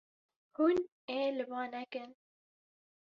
Hûn ê li ba nekin.